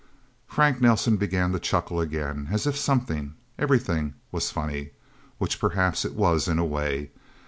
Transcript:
Frank Nelsen began to chuckle again. As if something, everything, was funny. Which, perhaps, it was in a way.